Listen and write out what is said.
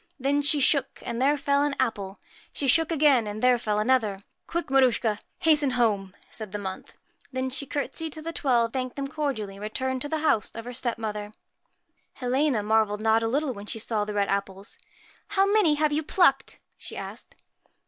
Then she shook, and there fell an apple ; she shook again, and there fell another. ' Quick, Maruschka, hasten home !' said the Month. Then she courtesied to the Twelve, thanked them cordially, and returned to the house of her step mother. Helena marvelled not a little when she saw the red apples. 1 How many have you plucked ?' she asked.